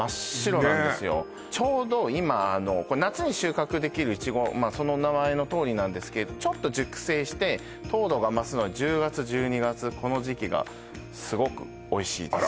ねえちょうど今これ夏に収穫できるいちごその名前のとおりなんですけれどちょっと熟成して糖度が増すのは１０１２月この時期がすごくおいしいです